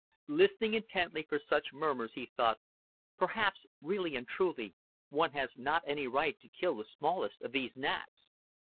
Listening intently for such murmurs, he thought: "Perhaps really and truly one has not any right to kill the smallest of these gnats.